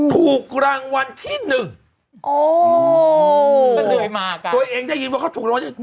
อ๋อถูกรางวัลที่หนึ่งอ๋อตัวเองได้ยินว่าเขาถูกรางวัล